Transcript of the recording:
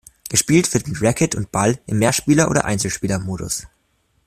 Gespielt wird mit Racket und Ball im Mehrspieler- oder Einzelspielermodus.